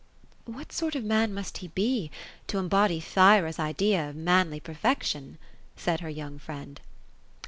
" What sort of man must he be, to embody Thyra's idea of manly perfection ?" said her young friend.